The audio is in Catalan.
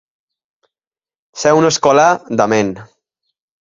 Ser un escolà d'amén.